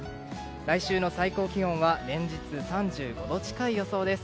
来週の最高気温は連日、３５度近い予想です。